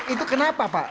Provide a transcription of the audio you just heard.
itu kenapa pak